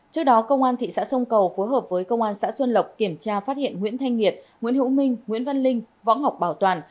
trước đó công an thị xã sông cầu phối hợp với công an xã xuân lộc kiểm tra phát hiện nguyễn thanh nhiệt nguyễn hữu minh nguyễn văn linh võ ngọc bảo toàn